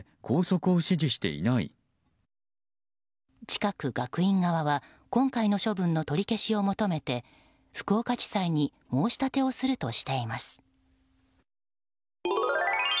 近く学院側は今回の処分の取り消しを求めて福岡地裁に申し立てをするとしています。